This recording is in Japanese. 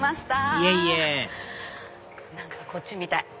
いえいえこっちみたい！